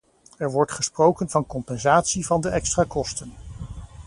Er wordt gesproken van compensatie van de extra kosten.